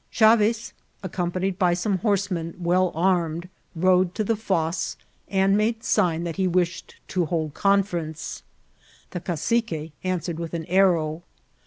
Chaves, accompanied by some horsemen, well armed, rode to the fosse^ and made sign that he wished to hold conference. The cacique answered with an arrow.